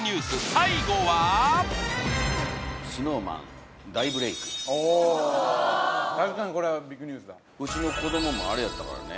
最後はおー確かにこれはビッグニュースだうちの子どももあれやったからね